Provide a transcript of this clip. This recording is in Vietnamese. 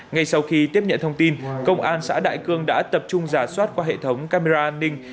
ngay sau khi tiếp nhận thông tin công an xã đại cương đã tập trung giả soát qua hệ thống camera an ninh